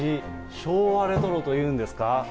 昭和レトロというんですか。